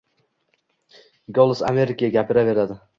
— «Golos Ameriki» gapiraveradi.